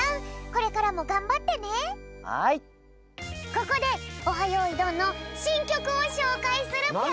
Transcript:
ここで「オハ！よいどん」のしんきょくをしょうかいするぴょん！